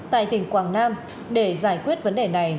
tại tỉnh quảng nam để giải quyết vấn đề này